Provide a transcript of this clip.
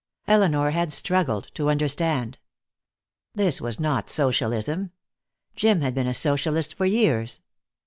Elinor had struggled to understand. This was not Socialism. Jim had been a Socialist for years.